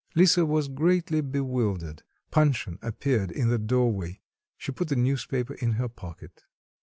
Lisa was greatly bewildered. Panshin appeared in the doorway. She put the newspaper in her pocket.